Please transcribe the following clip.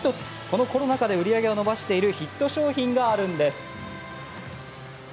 このコロナ禍で売り上げを伸ばしているヒット商品があるんです。